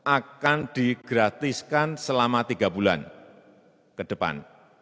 akan digratiskan selama tiga bulan ke depan